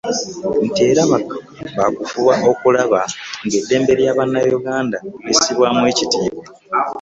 Nti era ba kufuba okulaba ng'eddembe lya Bannayuganda lissibwamu ekitiibwa.